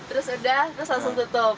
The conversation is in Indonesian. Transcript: terus udah terus langsung tutup